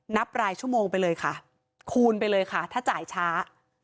นับรายชั่วโมงไปเลยค่ะคูณไปเลยค่ะถ้าจ่ายช้า